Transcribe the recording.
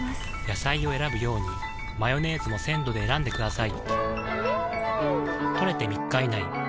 野菜を選ぶようにマヨネーズも鮮度で選んでくださいん！